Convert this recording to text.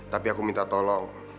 tapi aku minta tolong